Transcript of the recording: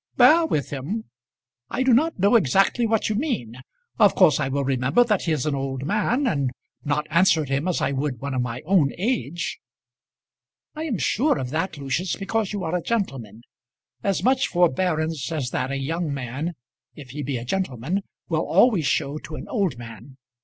"Bear with him! I do not know exactly what you mean. Of course I will remember that he is an old man, and not answer him as I would one of my own age." "I am sure of that, Lucius, because you are a gentleman. As much forbearance as that a young man, if he be a gentleman, will always show to an old man.